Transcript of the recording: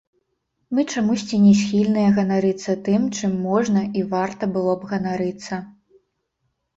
Мы чамусьці не схільныя ганарыцца тым, чым можна і варта было б ганарыцца.